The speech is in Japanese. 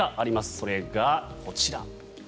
それがこちら。